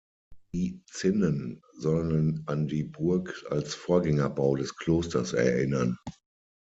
Die Zinnen sollen an die Burg als Vorgängerbau des Klosters erinnern.